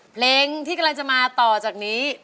เพลงที่กำลังจะมาต่อจากนี้